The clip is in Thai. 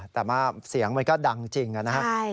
แต่ว่าเสียงมันก็ดังจริงนะครับ